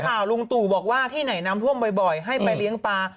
ลุงตู่บอกว่าที่ไหนน้ำท่วมบ่อยให้ไปเลี้ยงปลา